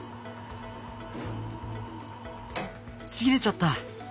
ちぎれちゃった！